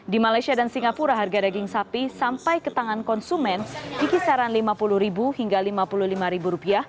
di malaysia dan singapura harga daging sapi sampai ke tangan konsumen di kisaran rp lima puluh hingga rp lima puluh lima